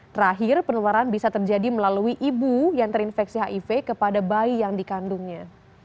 terakhir penularan bisa terjadi melalui ibu yang terinfeksi hiv kepada bayi yang dikandungnya